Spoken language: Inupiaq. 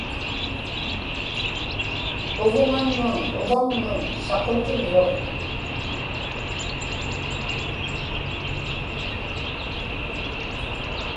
uvuŋanmun uvamnun saqutirruŋ